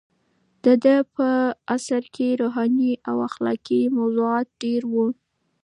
د ده په عصر کې روحاني او اخلاقي موضوعات ډېر وو.